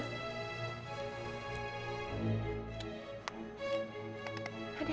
ada apa ya sebenernya mereka